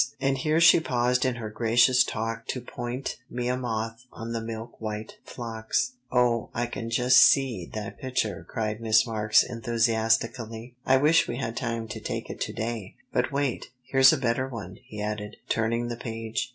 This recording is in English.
And here she paused in her gracious talk To point me a moth on the milk white phlox.'" "Oh, I can just see that picture," cried Miss Marks enthusiastically. "I wish we had time to take it to day." "But wait, here's a better one," he added, turning the page.